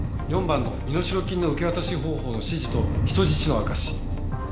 ４番の身代金の受け渡し方法の指示と人質の証し。